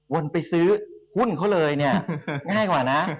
วนไปซื้อหุ้นเขาเลยง่ายกว่านะ